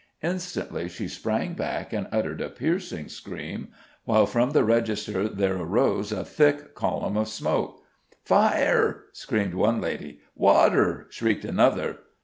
Instantly she sprang back and uttered a piercing scream, while from the register there arose a thick column of smoke. "Fire!" screamed one lady. "Water!" shrieked another.